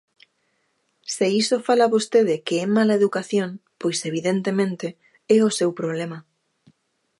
Se iso fala vostede que é mala educación, pois, evidentemente, é o seu problema.